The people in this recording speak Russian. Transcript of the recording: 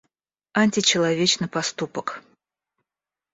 Античеловечный поступок